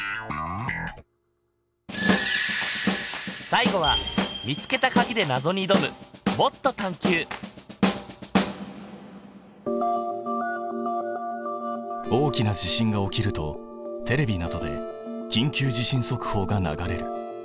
最後は見つけたかぎでなぞにいどむ大きな地震が起きるとテレビなどで「緊急地震速報」が流れる。